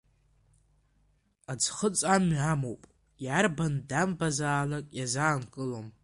Аӡхыҵ амҩа амоуп, иарбан дамбазаалак иазаанкылом.